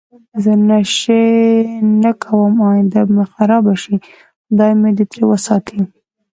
زه نشی نه کوم اینده به می خرابه شی خدای می دی تری وساتی